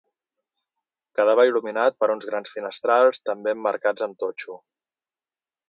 Quedava il·luminat per uns grans finestrals, també emmarcats amb totxo.